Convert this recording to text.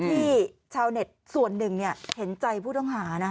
ชาวเน็ตส่วนหนึ่งเห็นใจผู้ต้องหานะ